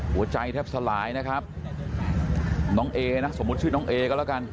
หัวใจแทบสลายนะครับน้องเอนะสมมุติชื่อน้องเอก็แล้วกัน